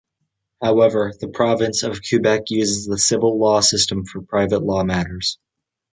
However, the province of Quebec uses the civil law system for private law matters.